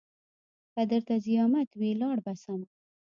که درته زيامت وي لاړ به سم.